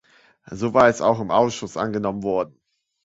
So war es auch im Ausschuss angenommen worden.